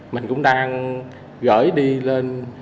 mình cũng đang gửi đi lên